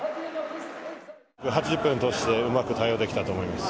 ８０分通して、うまく対応できたと思います。